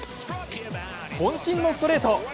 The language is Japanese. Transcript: こん身のストレート。